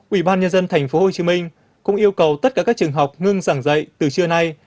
ubnd tp hcm cũng yêu cầu tất cả các trường học ngưng giảng dạy từ trưa nay